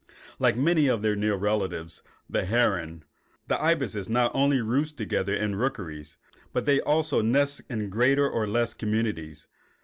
Like many of their near relatives, the herons, the ibises not only roost together in rookeries, but they also nest in greater or less communities.